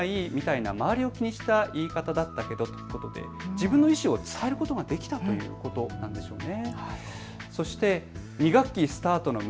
自分の意思を伝えることができたということなんでしょうね。